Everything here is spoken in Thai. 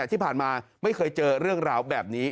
ที่ผ่านมาไม่เคยเจอเรื่องราวแบบนี้